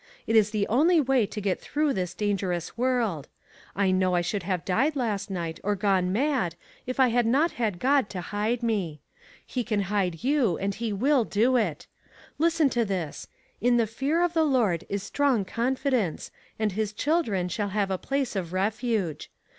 It is the only way to get through this dan gerous world. I know I should have died last night, or gone mad, if I had not had God to hide me. He can hide you, and he will do it. Listen to this: 'In the fear 5IO ONE COMMONPLACE DAY. of the Lord is strong confidence, and his children shall have a place of refuge.'